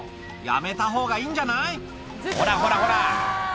やめたほうがいいんじゃないほらほらほら！